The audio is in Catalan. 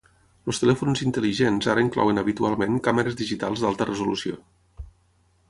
Els telèfons intel·ligents ara inclouen habitualment càmeres digitals d'alta resolució.